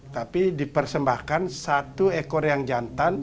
tapi dipersembahkan satu ekor yang jantan